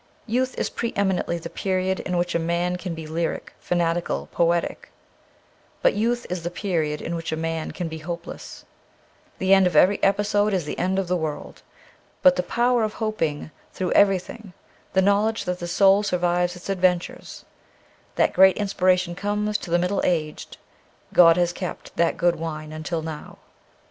Youth is pre eminently the period in which a man can be lyric, fanatical, poetic ; but youth is the period in which a man can be hopeless. The end of every episode is the end of the world. But the power of hoping through everything, the know ledge that the soul survives its adventures, that great inspiration comes to the middle aged. God has kept that good wine until now.